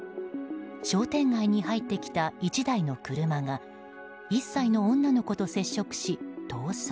商店街に入ってきた１台の車が１歳の女の子と接触し逃走。